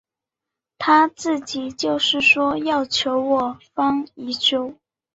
他自己就是说要求我方已久。